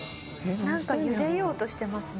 なんか茹でようとしてますね。